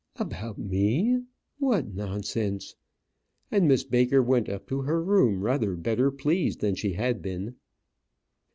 "About me; what nonsense!" And Miss Baker went up to her room rather better pleased than she had been.